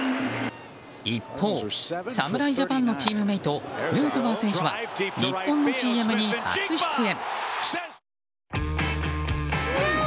一方、侍ジャパンのチームメートヌートバー選手は日本のＣＭに初出演。